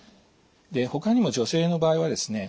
ほかにも女性の場合はですね